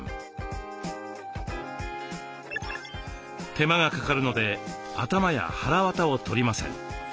手間がかかるので頭やはらわたを取りません。